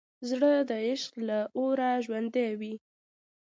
زړه د عشق له اوره ژوندی وي.